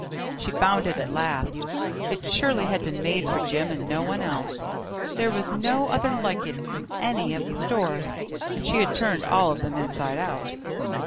She found it at last. It surely had been made for Jim and no one else. There was no other like it in any of the stores, and she had turned all of them inside out.